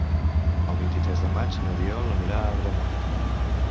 El vint-i-tres de maig n'Oriol anirà a Agramunt.